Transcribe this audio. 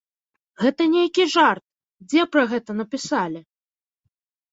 Гэта нейкі жарт, дзе пра гэта напісалі?